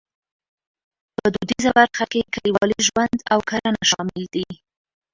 په دودیزه برخه کې کلیوالي ژوند او کرنه شامل دي.